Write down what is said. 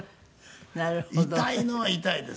痛いのは痛いです。